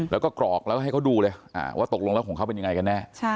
แล้วก็กรอกแล้วให้เขาดูเลยว่าตกลงแล้วของเขาเป็นยังไงกันแน่